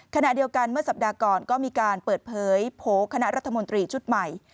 ขณะเดียวกันเมื่อสัปดาห์ก่อนก็มีการเปิดเผยโผล่คณะรัฐมนตรีชุดใหม่